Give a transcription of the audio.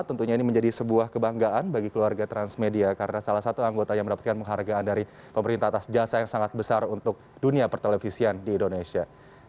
tentunya ini menjadi sebuah kebanggaan bagi keluarga transmedia karena salah satu anggota yang mendapatkan penghargaan dari pemerintah atas jasa yang sangat besar untuk dunia pertelevisian di indonesia